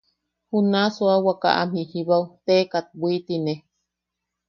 Juna suawaka am jijibao teekat bwitine.